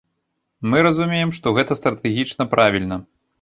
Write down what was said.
Мы разумеем, што гэта стратэгічна правільна.